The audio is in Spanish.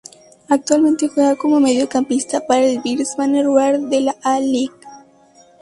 Actualmente juega como mediocampista para el Brisbane Roar de la A-League.